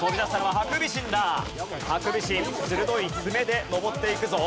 ハクビシン鋭い爪で登っていくぞ。